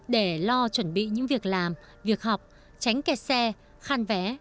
để lo chuẩn bị những việc làm việc học tránh kẹt xe khan vé